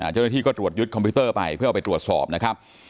เจ้าหน้าที่ก็ตรวจยึดคอมพิวเตอร์ไปเพื่อเอาไปตรวจสอบนะครับ